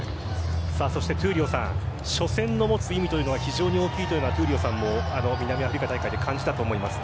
闘莉王さん、初戦の持つ意味は非常に大きいというのは闘莉王さんも南アフリカ大会で感じたと思います。